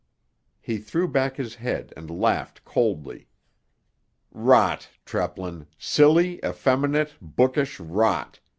He threw back his head and laughed coldly. "Rot, Treplin—silly, effeminate, bookish rot!"